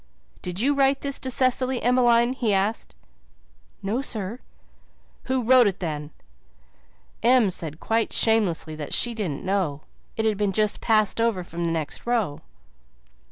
"Did you write this to Cecily, Emmeline?" he asked. "No, sir." "Who wrote it then?" Em said quite shamelessly that she didn't know it had just been passed over from the next row.